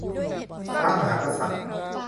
พระมหากษัตริย์